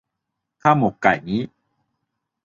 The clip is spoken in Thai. ข้าวหมกไก่งี้